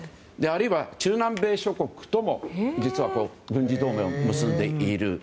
あるいは中南米諸国とも実は軍事同盟を結んでいる。